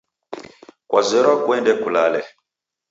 Kwazerwa kuende kulale.